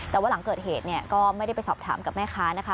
แต่ว่าหลังเกิดเหตุเนี่ยก็ไม่ได้ไปสอบถามกับแม่ค้านะคะ